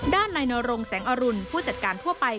ด้านในนรงแสงอรุณผู้จัดการทั่วไป